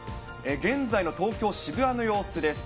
現在の東京・渋谷の様子です。